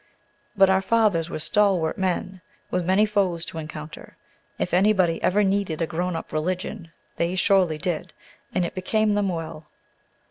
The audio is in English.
But our fathers were stalwart men, with many foes to encounter. If anybody ever needed a grown up religion, they surely did; and it became them well.